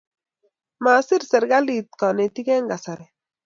Masir sekalit kanetik en kasari